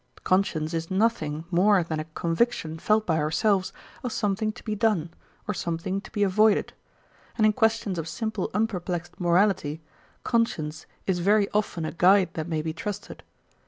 Conscience is nothing more than a conviction felt by ourselves of something to be done, or something to be avoided; and in questions of simple unperplexed morality, conscience is very often a guide that may be trusted.